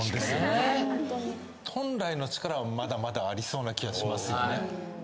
本来の力はまだまだありそうな気はしますよね。